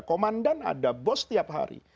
komandan ada bos setiap hari